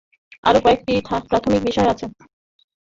আরও কয়েকটি প্রাথমিক বিষয় আছে।